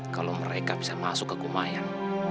kalau mereka bisa masuk ke kumayan